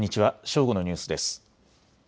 正午のニュースです。